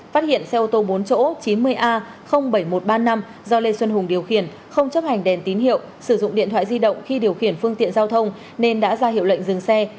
phát hiện xe ô tô bốn chỗ chín mươi a bảy nghìn một trăm ba mươi năm do lê xuân hùng điều khiển không chấp hành đèn tín hiệu sử dụng điện thoại di động khi điều khiển phương tiện giao thông nên đã ra hiệu lệnh dừng xe